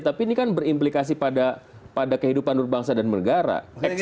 tapi ini kan berimplikasi pada kehidupan berbangsa dan negara